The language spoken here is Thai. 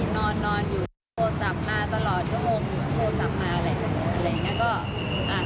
อ๋อนอนนอนอยู่โทรศัพท์มาตลอดเยอะโมงโทรศัพท์มาอะไรเยอะโมง